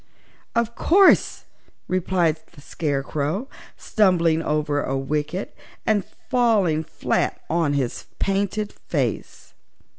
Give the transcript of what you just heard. "Of course," replied the Scarecrow, stumbling over a wicket and falling flat on his painted face.